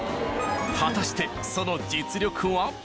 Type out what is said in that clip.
果たしてその実力は？